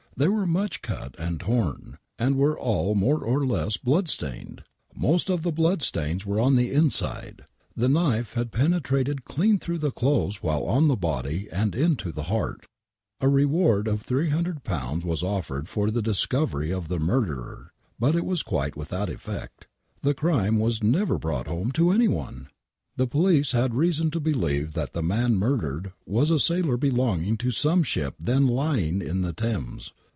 They were much cut and torn, and were all more or less blood stained ! Most of the blood stains were in the inside. The knife had penetrated clean through the clothes while on the body and into the heart. A reward of £300 was offered for the discovery of the mur derer, but it was quite without effect. The crime was never brought home to anyone ! The police had reason to believe that the man murdered was a sailor belonging to some ship then lying in the Thames.